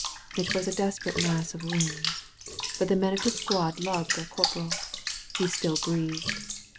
It was a desperate mass of wounds. But the men of his squad loved their corporal. He still breathed.